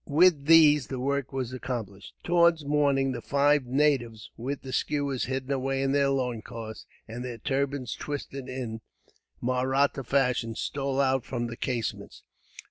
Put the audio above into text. With these the work was accomplished. Towards morning the five natives, with the skewers hidden away in their loincloths, and their turbans twisted in Mahratta fashion, stole out from the casemate.